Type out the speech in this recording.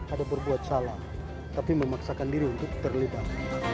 ada berbuat salah tapi memaksakan diri untuk terlibat